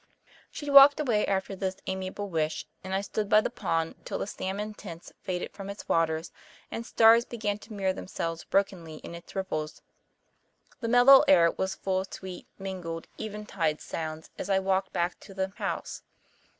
She walked away after this amiable wish, and I stood by the pond till the salmon tints faded from its waters and stars began to mirror themselves brokenly in its ripples. The mellow air was full of sweet, mingled eventide sounds as I walked back to the house.